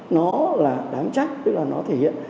nó là đáng trách tức là nó thể hiện